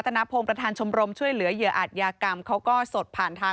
เดี๋ยวถ้าถามสิว่าจะเคยเข้าบ้านก็เรียนเชิญไปด้วยกัน